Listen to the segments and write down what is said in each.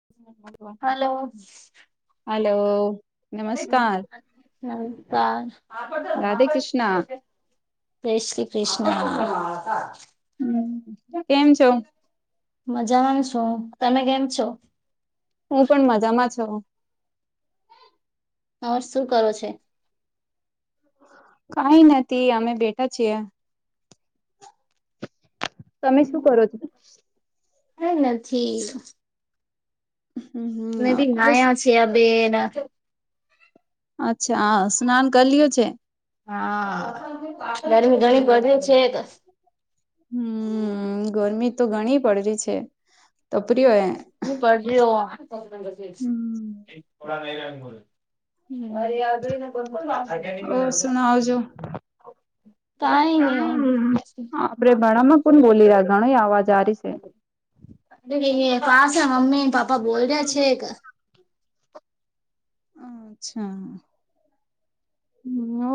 હ [inaudible] hello hello Radhe Krishna મસ્ ક શ્રી કૃષ્ણ હ કેમ છો મજા માંની છું તમે કેમ છો હું પણ મજામાં છો હર શું કરો છે કઈ નથી અમે બેઠા છીએ તમે શું કરો છો એ નથી મેં બી હમ નાયા છે બેન અચ્છા સ્નાન કરી લ્યો છે હા ગરમી ઘણી પડે છે હમ ગરમી તો ઘણી પડ રહી છે તપરી હોય પરજી [inaudible] વા ઓ સુણાવજો [inaudible] તઈ આપડે ભાણામાં કોણ બોલી નહી રહ્યા ઘણો આવાજ અ એ પાસે મમ્મી પાપા બોલ્યા છે કે અચ્છા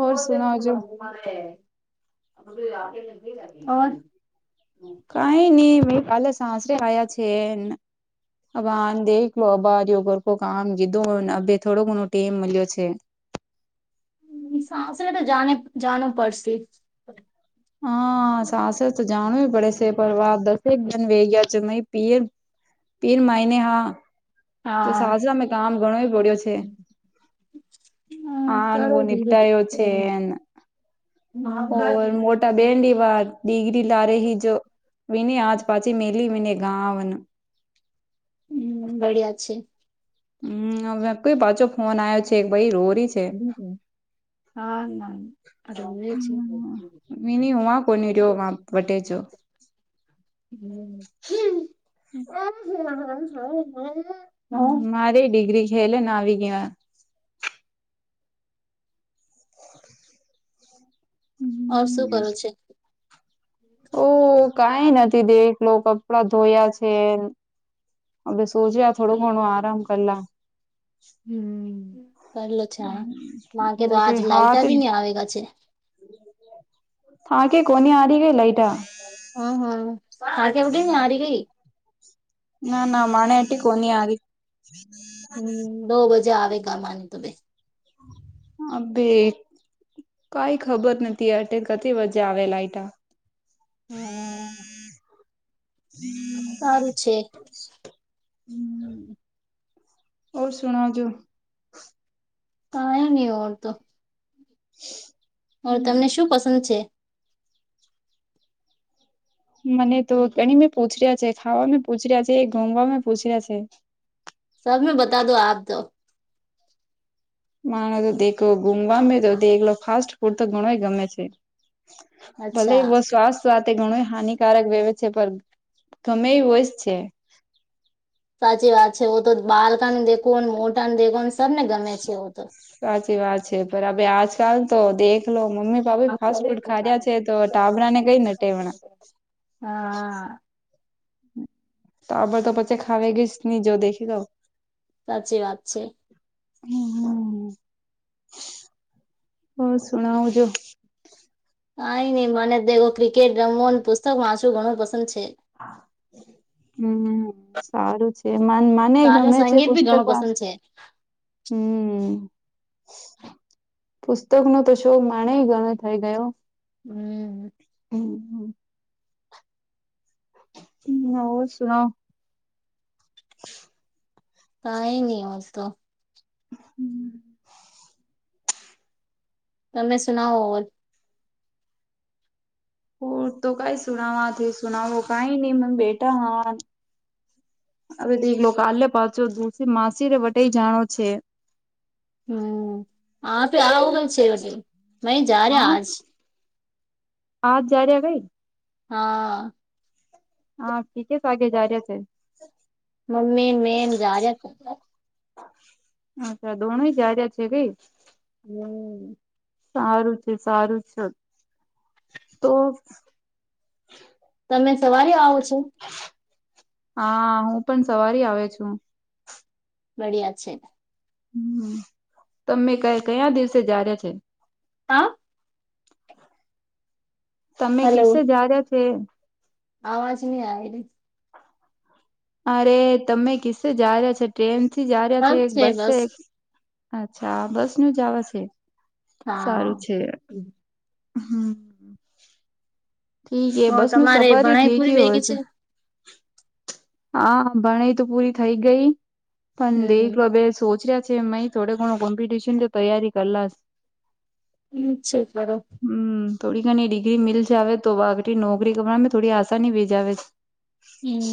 હર સુણાવજો [unintelligible] કઈ નહી મે કાલે સાસરે આયા છે એ હવે હ દેલો અબારર કોકામ કીધું હો થોડો ઘણો ટેમ મળ્યો છે સાસરે તો જઆ જાણું પડશે હા સાસરે તો જાણુ પડે છે પરિવાર દસેે એક દન વયાજ ન પીર [inaudible] પીર માયને હા જો હા સાસરામે કામ ઘણો પડ્યો છે હા હાનુંવ કરો ધીરે નિનીપટાયો ધીરે છે એને ઓ મોટા બેન વી વા ડિગ્રી લા રહી હ જો વિને આજ પાછી મેલી વિને ગા વન હમ બળિયા છે હમ કઈ પાછો ફોન આવ્યો છે ભાઈ રોજ હમમ હા ના ર છે વિની હુંવા કોની રહ્યો વા વટે જો હમ [unintelligible] હમ મારી ડિગ્રી હેલેન આવીગ યા ઓર શું કરો છે ઓહ કઈ નથી દેખલો કપડા ધોયા છે હવે સોજ્યા થોડું ઘણું આરામ કરલા હમ પલો છા મા કે તો આજ લાઈટ હાથ બી ન આવે ગા છે થા કે કોની આરી ગ લાઈટ આ હમ હમ આ કેેવ કે નારી કેઈ ના ના માને એટી કોની આ નો બજે આવે ગરમાની તો બે હ બેે કઈ ખબર નથી અટે કતિ બજે આવેલા લાઈતા હમ હમ સારું છે હમ ઓર સુણ જો તયા ન ઓડ તોું હમ તમને શું પસંદ છે. મને તો ગણી મેં પૂછ રહ્યા છે ખાવાણુ પૂછ રહ્યા છે ગમવાવામાં પૂછ રહ્યા છે. સબ મે બતા દો આપ તો. મા તો દ ગુમવામે તો એકલો ફાસ્ટ ફૂડ તો ઘણોય ગમે છે. ભલે અચ્છા વ સ્વાસ્થ્ય તો ઘણું હાનિકારક વહેવે છે પણ ગમે એ હોય છે. સાચી વાત છે તો બાલકાની દેખન મોટા ન દેખન સબને ગમે છે તો. સાચી વાત છે પણ અ આજકાલ તો દેખ લો મમ્મી બાુ ફાસ્ટ ફૂડ ખા્યા છે તો ટાબડા ને કઈને ટેવણા હા તો આબર તો પછી ખાવ ગીશ નહી જો દેખી દઉં સાચી વાત છે. હમ બ શણવ છો. કઈ નઈ મને દેખો ક્રિકેટ રમો પુસ્તક વાંચવું ઘણું પસંદ છે. હા. હમ સારું છે માને સારું ગમે છે સંગીત બી પુસ્તક ઘણું વા પસંદ છે હમ. પુસ્તક નો તો શો માણે ગણો થઈ ગયો હમ. હમ હમ. હ હો સુણો કઈ ન આવ તો હમ. તમે સુનાવો ઓ તો કઈ સુનાવાથી સુનાવો કઈ નહી મ બેટા હ. હવે તો લોકો આલે પાછો દુસી માસીને વટઈ જાણો છે. હમ આપે આવું છે મે જા રહ્યા હા આજ આજ જા રહ્યા કઈ હા. હા ીચસ વાગે જાર્યા છે મમ્મી મેમ જા રહ્યા તા. અચ્છા દોણ જા રહ્યા છે કઈ હમ. સારું છે સારું છે તો તમે સવારે આવો છો. હા હું પણ સવારી આવે છું. બડિયા છે હમ તમે ક કયા દિવસે જાાર્યા છે. હા તમે હલો કસે જા રહ્યા છે. અવાજ નહી આ અરે તમે કિસ્સે જા રહ્યા છે ટ્રેન થી જા રહ્યા છે એક બસ એક અચ્છા બસ નું જવા છે હા સારું છે હમ. ઠીક એ ઓર બસ નું તમારે સફર ભણાઈ ઠીક પૂરી હોય વેગી છે હા ભણાઈ તો પૂરી થઈ ગઈ પણ હમ દેકલો બે સોચ રહ્યા છે. થોડો ઘણો કોમ્પિટિશનની તૈયારી કરલા હ છે સરો. હમ થોડી ઘણી ડિગ્રી મિલ જાવ તો બાગ નોકરી કરવા થોડી આસાની ભીજ આવે છે. હમ.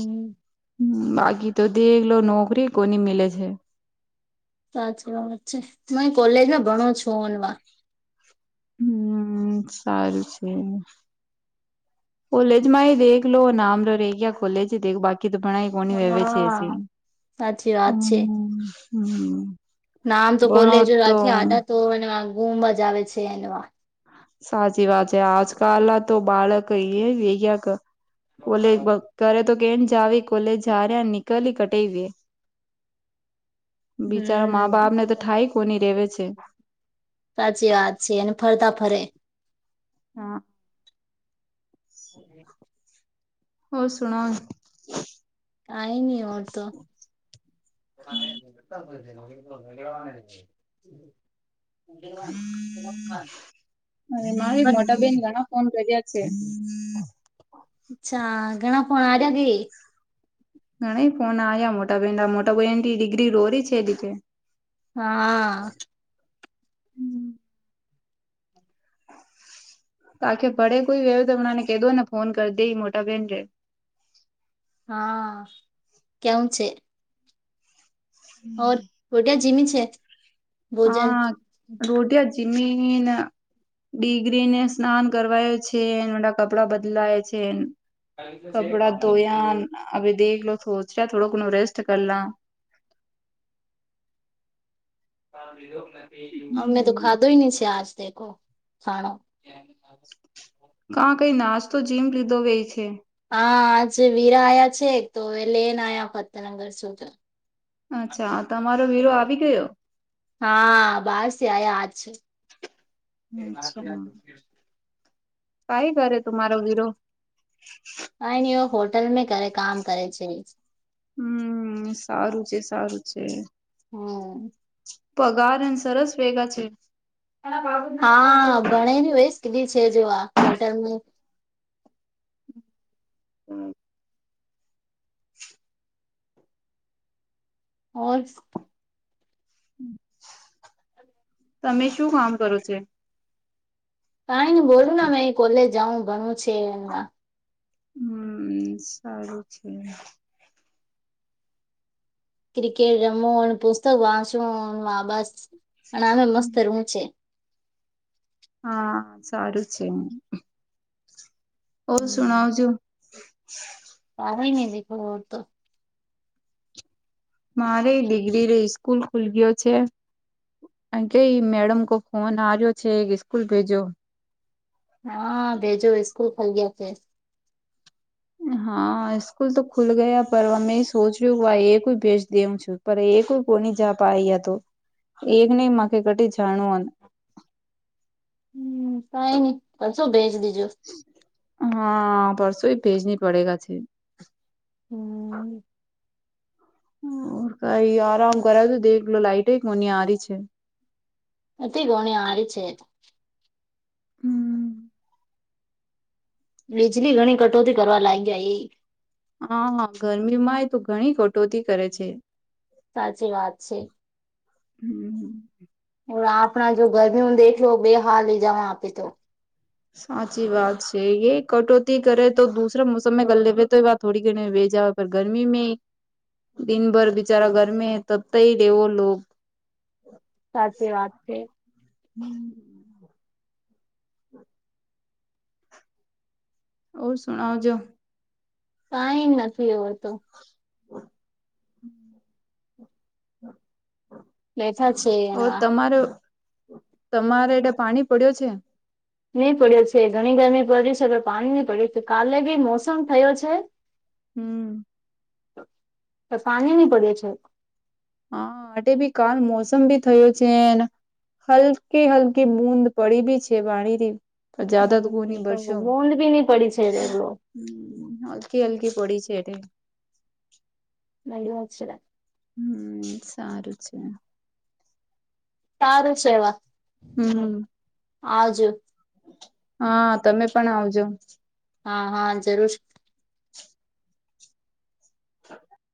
હ બાકી તો દલો નોકરી કોની મીલે છે. સાચી વાબત છે ત કોલેજમાં ભણો છો ઓનવા હમ સારું છે કોલેજમાં એ દેખ લો નામ રરેહી ગયા કોલેજેખ બાકી કધું ભણાઈ કોની વહેવે છે એ સાચચી વા વા છે હ હમ નામ તો ભણો કોલેજો તો રાખી આદ તો ગુમ મજ આવે છે એ સાચી વાત છે આજકાલ તો બાળક એયા કોલે ઘરે તો કેમ જાવ કોલેજ હાર્યા નીકળલી કટેએ. બિચારા મા હમ બાપ ને તો થાય કોની રેવે છે. સાચી વાત છે એને ફરતા ફરે હા હ [unintelligible] હોર સુણો કઈ નહી ઓર તો. [unintelligible] એવા [unintelligible] અને મા મોટા બેેન ઘણા ફોન કર્યા છે. અચ્છા ઘણા ફણા આ્યા કે ઘ ફોન આવ્યા મોટા ભાઈના મોટા ભાઈ એ ડિગ્રી રોરી છે એ રીતે હા. તો આખે ભડે કોઈ વવય તોમણાને ક દો ને ફોન કરી દે મોટા બહેન છે. હા કેમ છે. ઓર ગટ જીમી છે ભોજન જિમીન ડડીગ્રીને સ્નાન કરવાય છે મો કપડાં બદલાય છે. અલી તો શેખ અમદ છે. હવે દેખ લોચ્યા થોડો ઘણું રેસ્ટ કરલા. અમે તો ખાધો નહી છે આજ દ ખાણો. કા કઈ નાશ તો જીમ લીધો વય છે. હા આજે વીરા આયા છે તો લઈને આવ્યા ફતેનગર સુધ અચ્છા તમારો વિરો આવી ગયો. હા બહાર સ આયા આજ છે. અચ્છા. કઈ કરે તું મારો વિરો. કાઇ નહિ હોટલ મે કર કામ કરે છે હમ સારું છે સારું છે. હમ પગાર હ સરસ વેગા છે. હા ભણે હોયસ કીધી છે જો આ હોટેલ ને. હમ. હોર. તમે શું કામ કરો છો. કઈને બોલું ને મે કોલેજ જાઉં ભણું છે એમ હમ સારું છે. ક્રિકેટ રમો પુસ્તક વાંચો આભાસ પણ આમે મસ્ત રુંમ છે. હા સારું છે. ઓમ શુણઉ છું પાર નને દેખો તો. મારે ડિગ્રી ર સ્સ્કૂલ ખુલ ગયો છે. કઈ મેડમ કો ફોન હર્યો છે સ્કૂલ ભેજો. હા ભેજો સ્કૂલ ખલ ગયા છે. હા સ્કૂલ તો ખુલ ગયા પરમે સોચ રહ્યું એક કોઈ ભેજ દેઉ છું. પર એક કોની જાપ આ તો એકને કટ જાણો. હ કઈ નહી પણ શું ભેચ દીજો. હા પરસો ભેજની પડે ગયા છે. હમ. ર કઈ આરામ કર તો દેલો લાઈટે કો આહી છે. તે ગોણી આરિ છે. હમ્મ. વીજળી ઘણી કટોતી કરવા લાગ્યા એ. હા ગરમીમાં એ તો ઘણી કટોતી કરે છે. સાચી વાત છે. હમ્મ. એ આપણા જો ગરમી નું દેખ બે હાલ લઈ જવા આપે તો. સાચી વાત છે. એે કટોતી કરે તો દૂસરા મોસમ ગ લેે તો એ વાત થોડી ઘણી ભેજા પર ગરમી મે દિનભર બિચારા ગરમી હૈ તબતાઈ રહેેવો લોક સાચી વાત છે. હમ્મ. ઓર શુંણવજો. કાઈ નથી એવો તો. બેઠા છે ઓ એમાં તમારે તમારે એટલે પાણી પડ્યો છે. નહી પડ્યો છે. ઘણી ગરમી પડી છેટ પાણી નહી પડ્યું છે કાલે ક મોસમ થયો છે. હમ્મ. તો પાની ની પડે છે. હા આ ભી કાલ મોસમ ભી થયો છેને હલકી હલકી બૂદ પડી બી છે વાણીથી. પણ જદા તો કોઈ ન છે ભરશો. બૂદ બી નહી પડી છે રેલો હમ્મ હલકી હલકી પડી છે એટલે. મડી અક્ષરા. હમ્મ, સારું છે. તારું છે એવા, હમ આજુ. હા તમે પણ આવજો. હા હા જરૂર. [inaudible]